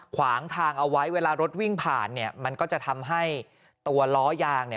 ขวางทางเอาไว้เวลารถวิ่งผ่านเนี่ยมันก็จะทำให้ตัวล้อยางเนี่ย